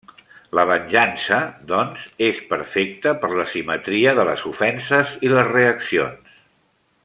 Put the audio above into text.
La venjança, doncs, és perfecta per la simetria de les ofenses i les reaccions.